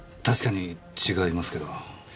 確かに違いますけど。